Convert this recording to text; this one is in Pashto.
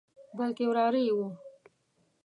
بلکې وراره یې وو.